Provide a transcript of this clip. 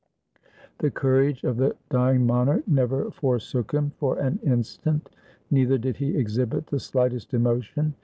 The courage of the dying monarch never forsook him for an instant; neither did he exhibit the slightest emo tion.